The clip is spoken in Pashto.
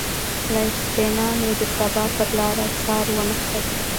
له استغنا مې د سبا پرلاره څار ونه کړ